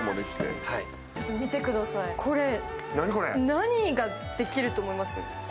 何ができると思います？